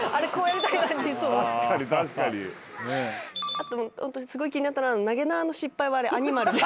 あとすごい気になったのは投げ縄の失敗はアニマルで。